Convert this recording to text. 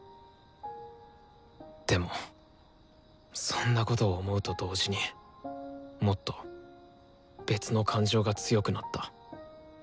でもそんなことを思うと同時にもっと別の感情が強くなった。